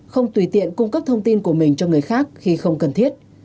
không tùy tiện cung cấp thông tin của mình cho người khác khi không cần thiết